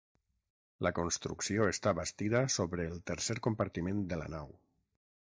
La construcció està bastida sobre el tercer compartiment de la nau.